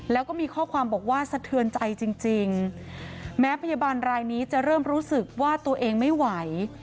แล้วก็มีข้อความบอกว่าสะเทือนใจจริงแม้พยาบาลรายนี้จะเริ่มรู้สึกว่าตัวเองไม่ไหว